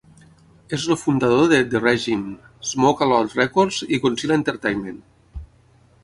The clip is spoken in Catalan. És el fundador de The Regime, Smoke-A-Lot Records i Godzilla Entertainment.